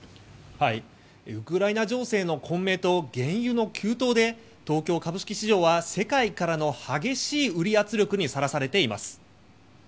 ウクライナ情勢の混迷と原油の急騰で東京株式市場は世界からの激しい売り圧力にさらされています。